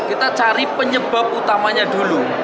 kita cari penyebab utamanya dulu